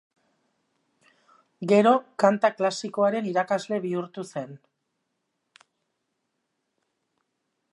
Gero kanta klasikoaren irakasle bihurtu zen.